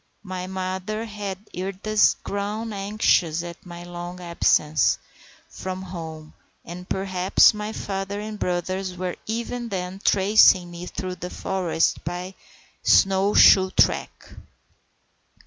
My mother had ere this grown anxious at my long absence from home, and perhaps my father and brothers were even then tracing me through the forest by my snow shoe track.